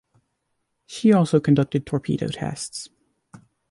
She also conducted torpedo tests.